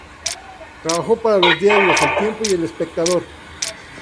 Trabajó para los diarios El Tiempo y El Espectador.